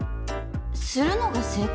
スるのが正解？